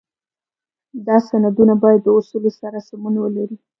دا سندونه باید د اصولو سره سمون ولري.